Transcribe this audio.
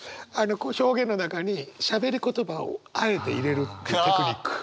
表現の中にしゃべり言葉をあえて入れるテクニック。